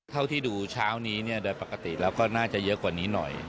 เท่าที่ดูเช้านี้เนี่ยโดยปกติแล้วก็น่าจะเยอะกว่านี้หน่อย